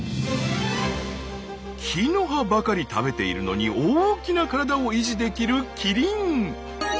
木の葉ばかり食べているのに大きな体を維持できるキリン。